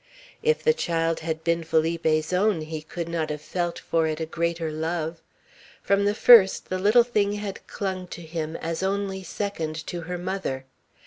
If the child had been Felipe's own, he could not have felt for it a greater love. From the first, the little thing had clung to him as only second to her mother.